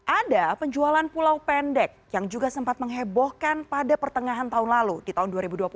ada penjualan pulau pendek yang juga sempat menghebohkan pada pertengahan tahun lalu di tahun dua ribu dua puluh